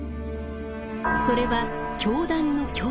それは教団の教祖。